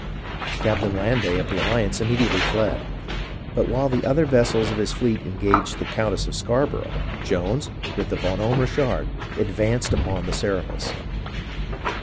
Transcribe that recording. Captain Landais of the Alliance immediately fled ; but while the other vessels of his fleet engaged the Coun tess of ScarborougJi, Jones, with the Bon Homme Richard^ advanced upon the Serapis.